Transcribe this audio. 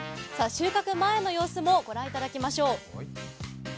収穫前の様子もご覧いただきましょう。